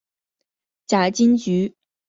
假金桔为夹竹桃科假金桔属下的一个种。